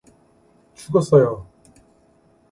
죽었어요!